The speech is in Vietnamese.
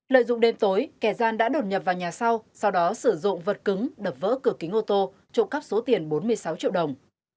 lợi dụng đêm tối kẻ gian đã đột nhập vào nhà sau sau đó sử dụng vật cứng đập vỡ cửa kính ô tô trộm cắp số tiền bốn mươi sáu triệu đồng